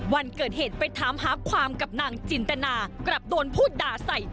วันเกิดเหตุไปถามหาความกับนางจินตนากลับโดนพูดด่าใส่